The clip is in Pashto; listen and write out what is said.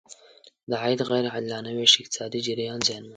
د عاید غیر عادلانه ویش اقتصادي جریان زیانمنوي.